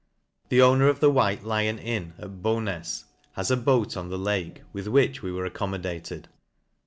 The owner of the White Lion Inn, at Bownas, has, a boat on the lake, with which we were accommo dated.